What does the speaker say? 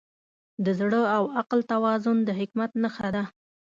د زړه او عقل توازن د حکمت نښه ده.